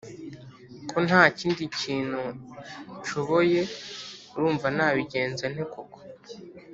ko ntakindi kintu nshoboye urumva nabigenza nte koko!’